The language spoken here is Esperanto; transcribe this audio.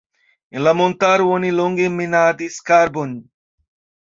En la montaro oni longe minadis karbon.